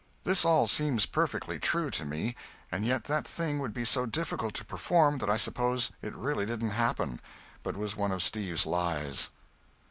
This all seems perfectly true to me, and yet that thing would be so difficult to perform that I suppose it really didn't happen, but was one of Steve's lies.